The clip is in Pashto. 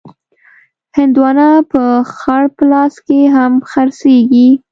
هندوانه په خړ پلاس کې هم خرڅېږي.